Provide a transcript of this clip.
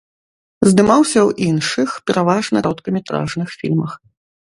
Здымаўся ў іншых, пераважна, кароткаметражных фільмах.